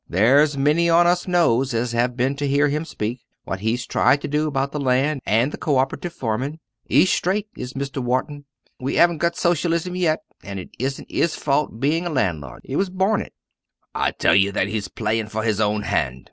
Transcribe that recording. "There's many on us knows as have been to hear him speak, what he's tried to do about the land, and the co operative farming. E's straight is Mr. Wharton. We 'aven't got Socialism yet an' it isn't 'is fault bein' a landlord. Ee was born it." "I tell tha he's playin' for his own hand!"